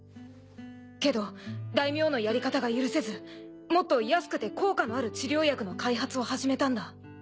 けど大名のやり方が許せずもっと安くて効果のある治療薬の開発を始めたんだ。